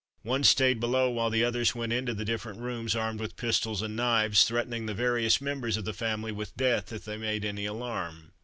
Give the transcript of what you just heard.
One stayed below, while the others went into the different rooms armed with pistols and knives, threatening the various members of the family with death if they made any alarm.